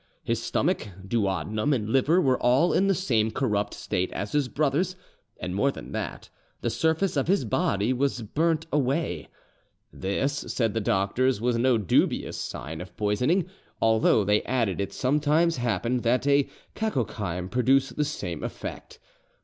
His stomach, duodenum, and liver were all in the same corrupt state as his brother's, and more than that, the surface of his body was burnt away. This, said the doctors; was no dubious sign of poisoning; although, they added, it sometimes happened that a 'cacochyme' produced the same effect.